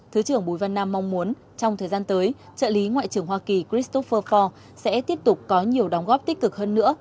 thứ trưởng bùi văn nam mong muốn trong thời gian tới trợ lý ngoại trưởng hoa kỳ christopher ford sẽ tiếp tục có nhiều đóng góp tích cực hơn nữa